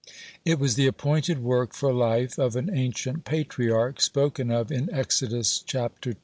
It was the appointed work for life of an ancient patriarch spoken of in Exodus, chap, ii.